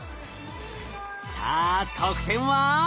さあ得点は？